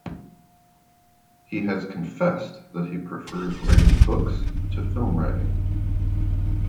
He has confessed that he prefers writing books to film writing.